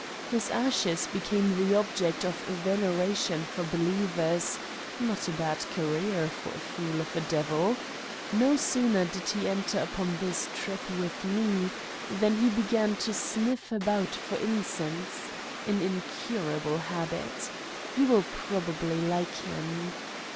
His ashes became the object of veneration for be lievers not a bad career for a fool of a devil. No sooner did he enter upon this trip with Me than he began to sniff about for incense an incurable habit ! You will probably like him.